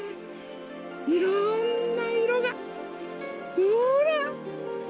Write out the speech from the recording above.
いろんないろがほら！